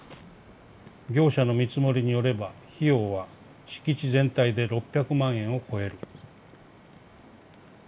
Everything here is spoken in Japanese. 業者の見積もりによれば費用は敷地全体で６００万円を超える」。